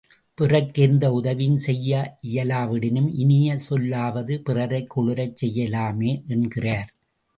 பிறர்க்கு எந்த உதவியும் செய்ய இயலாவிடினும், இனிய சொல்லாலாவது பிறரைக் குளிரச் செய்யலாமே என்கிறார்.